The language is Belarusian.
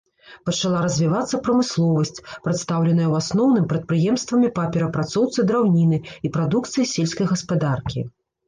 Пачала развівацца прамысловасць, прадстаўленая ў асноўным прадпрыемствамі па перапрацоўцы драўніны і прадукцыі сельскай гаспадаркі.